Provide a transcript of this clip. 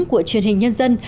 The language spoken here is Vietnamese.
của bộ truyền hình nhân dân